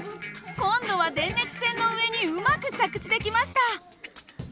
今度は電熱線の上にうまく着地できました。